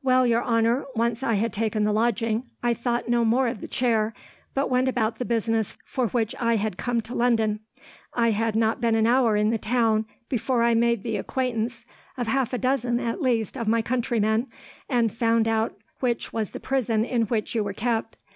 "Well, your honour, once I had taken the lodging, I thought no more of the chair, but went about the business for which I had come to London. I had not been an hour in the town before I made the acquaintance of half a dozen, at least, of my countrymen, and found out which was the prison in which you were kept.